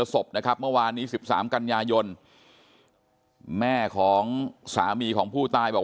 ศพนะครับเมื่อวานนี้๑๓กันยายนแม่ของสามีของผู้ตายบอก